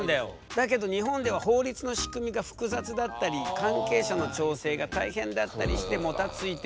だけど日本では法律の仕組みが複雑だったり関係者の調整が大変だったりしてもたついている。